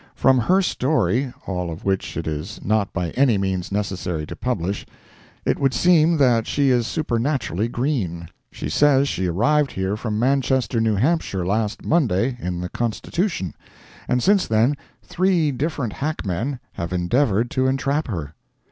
From her story—all of which it is not by any means necessary to publish—it would seem that she is supernaturally green. She says she arrived here from Manchester, New Hampshire, last Monday, in the Constitution, and since then three different hackmen have endeavored to entrap her.